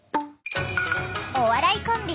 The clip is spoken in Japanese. お笑いコンビ